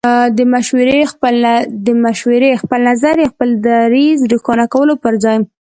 د مشورې، خپل نظر يا خپل دريځ د روښانه کولو پر ځای